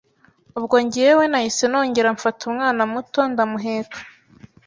ubwo njyewe nahise nongera mfata umwana muto ndamuheka